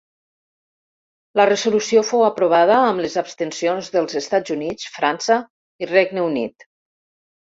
La resolució fou aprovada amb les abstencions dels Estats Units, França i Regne Unit.